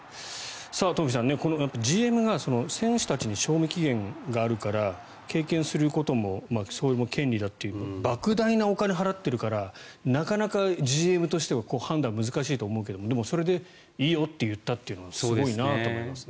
東輝さん、ＧＭが選手たちには賞味期限があるから経験することも権利だというばく大なお金を払っているからなかなかＧＭとしては判断が難しいと思うけどでも、それでいいよと言ったというのはすごいなと思いますね。